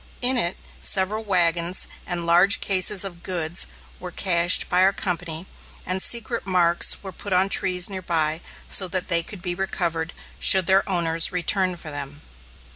In it, several wagons and large cases of goods were cached by our company, and secret marks were put on trees near by, so that they could be recovered, should their owners return for them.